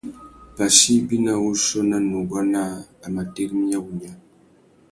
Pachí ibi nà wuchiô nà nuguá naā, a mà tirimiya wunya.